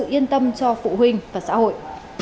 yên tâm cho phụ huynh và xã hội